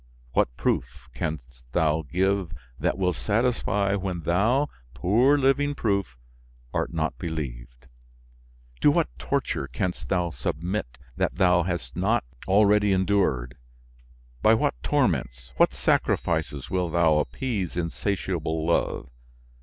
What proof canst thou give that will satisfy when thou, poor living proof, art not believed? To what torture canst thou submit that thou hast not already endured? By what torments, what sacrifices, wilt thou appease insatiable love?